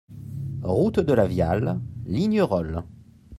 Route de la Viale, Lignerolles